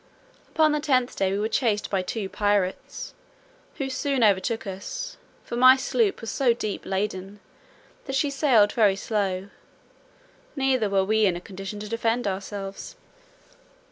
Upon the tenth day we were chased by two pirates, who soon overtook us; for my sloop was so deep laden, that she sailed very slow, neither were we in a condition to defend ourselves.